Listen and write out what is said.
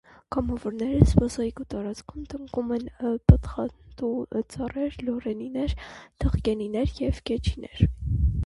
Կամավորները զբոսայգու տարածքում տնկում են պտղատու ծառեր, լորենիներ, թխկիներ և կեչիներ։